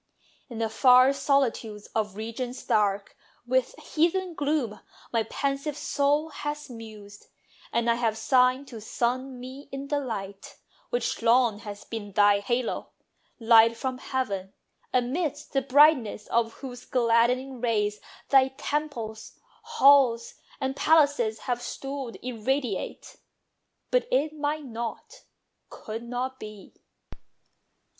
In the far solitudes of regions dark With heathen gloom, my pensive soul has mused, And I have sighed to sun me in the light Which long has been thy halo; light from heaven, Amidst the brightness of whose gladdening rays Thy temples, halls, and palaces have stood Irradiate. But it might not, could not be.